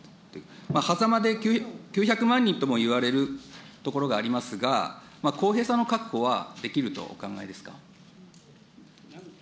はざまで９００万人ともいわれるところがありますが、公平さの確保はできるとお考えですか。